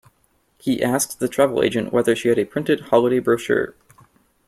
He asked the travel agent whether she had a printed holiday brochure